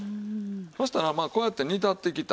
そしたらまあこうやって煮立ってきた